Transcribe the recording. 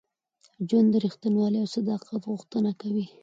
ژوند د رښتینولۍ او صداقت غوښتنه کوي.